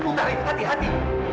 bung tarik hati hati